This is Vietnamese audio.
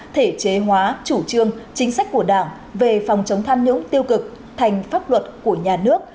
thể chế hóa chủ trương chính sách của đảng về phòng chống tham nhũng tiêu cực thành pháp luật của nhà nước